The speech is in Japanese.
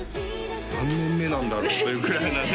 何年目なんだろうというくらいなね